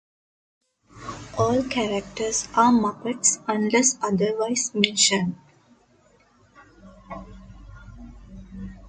All characters are Muppets, unless otherwise mentioned.